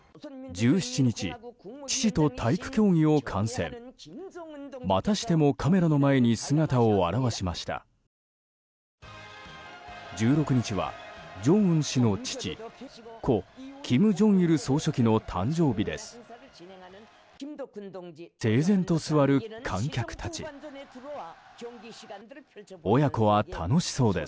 １６日は正恩氏の父故・金正日総書記の誕生日です。